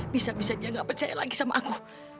bisa bisa dia nggak percaya lagi sama aku